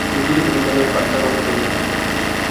তিনি প্রতিটি বিদ্যালয়ের পাঠদান অপছন্দ করেন।